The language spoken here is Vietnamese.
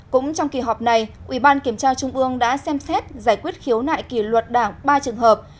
bốn cũng trong kỳ họp này ủy ban kiểm tra trung ương đã xem xét giải quyết khiếu nại kỷ luật đảng ba trường hợp